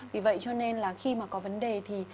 vì vậy cho nên là khi mà có vấn đề thì